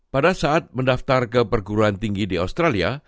pada saat mendaftar ke perguruan tinggi di australia